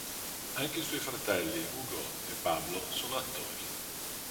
Anche i suoi fratelli Hugo e Pablo sono attori.